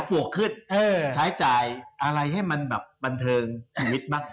อย่าปวกขึ้นใช้จ่ายอะไรสนุกมาก